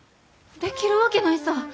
できるわけないさ。